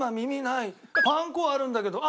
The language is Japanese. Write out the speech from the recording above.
パン粉あるんだけど。